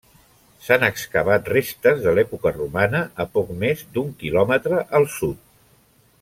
S'han excavat restes de l'època romana a poc més d'un quilòmetre al sud.